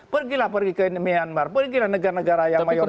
pergilah pergi ke myanmar pergilah negara negara yang mayoritas